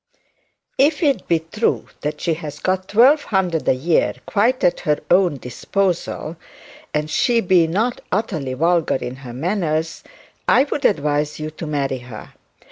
'If it be true that she has got twelve hundred a year quite at her own disposal, and she be not utterly vulgar in her manners, I would advise you to marry her.